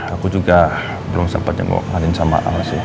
aku juga belum sempet jempolin sama kamu sih